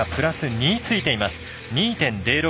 ２．０６。